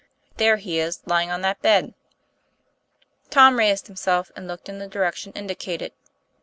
" There he is lying on that bed." Tom raised himself and looked in the direction indicated.